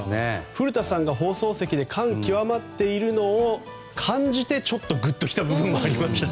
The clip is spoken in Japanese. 古田さんが放送席で感極まっているのを感じて、ちょっとぐっと来た部分もありました。